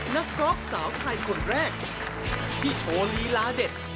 กอล์ฟสาวไทยคนแรกที่โชว์ลีลาเด็ด